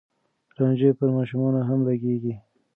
رانجه پر ماشومانو هم لګېږي.